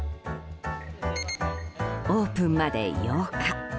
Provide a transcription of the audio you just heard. オープンまで８日。